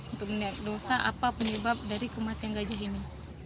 untuk melihat dosa apa penyebab dari kematian gajah ini